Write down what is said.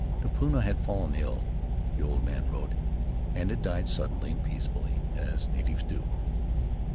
Tupuna had fallen ill (the old man wrote) and had died suddenly and peacefully, as natives do.